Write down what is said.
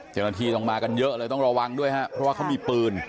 เจ้าหน้าที่ต้องมากันเยอะเลยต้องระวังด้วยฮะเพราะว่าเขามีปืน